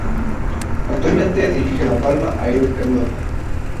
Actualmente dirige al Palma Air Europa.